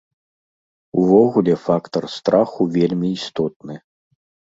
Увогуле фактар страху вельмі істотны.